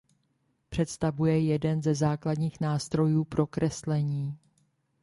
Představuje jeden ze základních nástrojů pro kreslení.